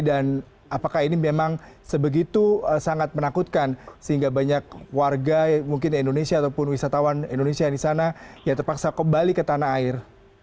dan apakah ini memang sebegitu sangat menakutkan sehingga banyak warga mungkin indonesia ataupun wisatawan indonesia yang di sana ya terpaksa kembali ke tanah air